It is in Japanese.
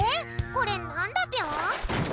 これなんだぴょん？